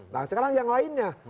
nah sekarang yang lainnya